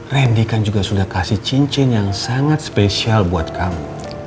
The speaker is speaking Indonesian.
randy kan juga sudah kasih cincin yang sangat spesial buat kamu